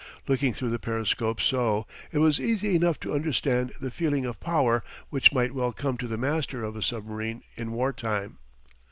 Looking through the periscope so, it was easy enough to understand the feeling of power which might well come to the master of a submarine in war time.